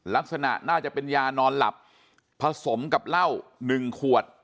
ลักษณะน่าจะเป็นยานอนหลับผสมกับเหล้า๑ขวด